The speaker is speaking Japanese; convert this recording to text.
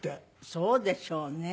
そうでしょうね。